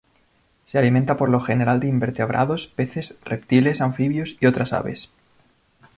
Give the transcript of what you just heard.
Se alimenta por lo general de invertebrados, peces, reptiles, anfibios y otras aves.